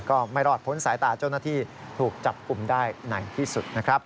ก็ไม่รอดพ้นสายตาเจ้าหน้าที่ถูกจับกลุ่มได้ไหนที่สุดนะครับ